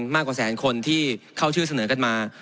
มากกว่าแสนคนที่เข้าชื่อเสนอกันมา